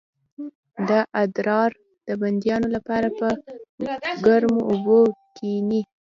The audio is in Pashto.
د ادرار د بندیدو لپاره په ګرمو اوبو کینئ